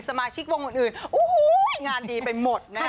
สมาชิกวงอื่นงานดีไปหมดนะครับ